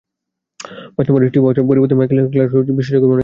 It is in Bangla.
পাঁচ নম্বরে স্টিভ ওয়াহর পরিবর্তে মাইকেল ক্লার্ক অবশ্যই বিস্ময় জাগাবে অনেকের মনে।